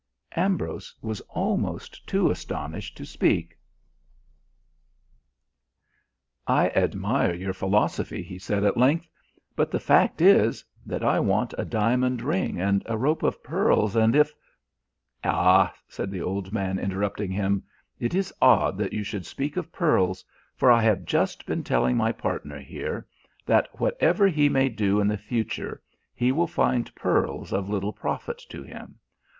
Ambrose was almost too astonished to speak. "I admire your philosophy," he said at length, "but the fact is, that I want a diamond ring and a rope of pearls and if " "Ah," said the old man interrupting him, "it is odd that you should speak of pearls, for I have just been telling my partner here that whatever he may do in the future, he will find pearls of little profit to him.